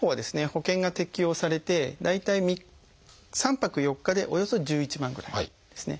保険が適用されて大体３泊４日でおよそ１１万ぐらいですね。